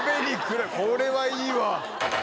これはいいわ。